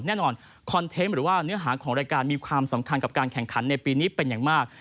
นครเทนต์หรือว่าเนื้อหาของรายการมีความสำคัญกับการแข่งขันในปีนี้เป็นอย่างมาก